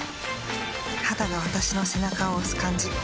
肌が私の背中を押す感じ。